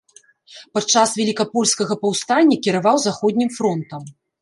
Падчас велікапольскага паўстання кіраваў заходнім фронтам.